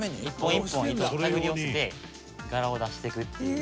１本１本糸を手繰り寄せて柄を出していくっていう。